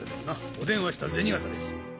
お電話した銭形です。